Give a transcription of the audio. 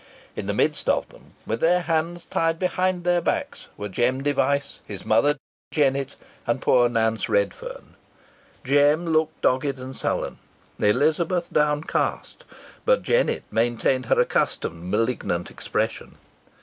In the midst of them, with their hands tied behind their backs, were Jem Device, his mother, Jennet, and poor Nance Redferne. Jem looked dogged and sullen, Elizabeth downcast, but Jennet retained her accustomed malignant expression.